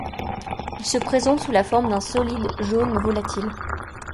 Il se présente sous la forme d'un solide jaune volatil.